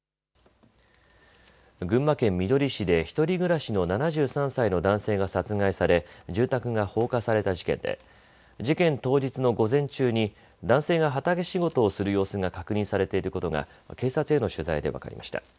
群馬県みどり市で１人暮らしの７３歳の男性が殺害され住宅が放火された事件で事件当日の午前中に男性が畑仕事をする様子が確認されていることが警察への取材で分かりました。